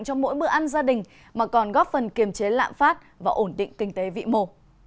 cho mỗi bữa ăn gia đình mà còn góp phần kiềm chế lạm phát và ổn định kinh tế vĩ mô